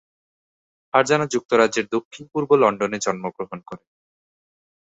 ফারজানা যুক্তরাজ্যের দক্ষিণ পূর্ব লন্ডনে জন্মগ্রহণ করেন।